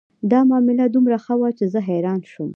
دا معامله دومره ښه وه چې زه حیرانه شوم